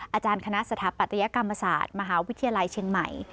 อาจารย์คณะสถาปัตยกรรมศาสตร์มหาวิทยาลัยเชียงใหม่